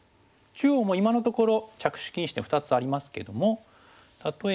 中央も今のところ着手禁止点２つありますけども例えば。